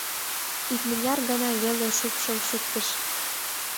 Икмыняр гана веле шупшыл шуктыш.